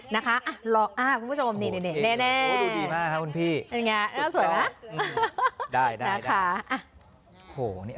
นะคะเราอ้าวผู้ชมนี้นี่